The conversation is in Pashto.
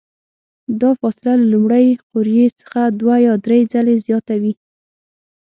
دا فاصله له لومړۍ قوریې څخه دوه یا درې ځلې زیاته وي.